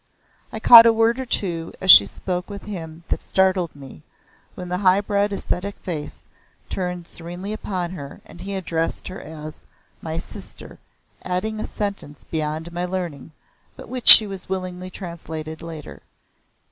I caught a word or two as she spoke with him that startled me, when the high bred ascetic face turned serenely upon her, and he addressed her as "My sister," adding a sentence beyond my learning, but which she willingly translated later.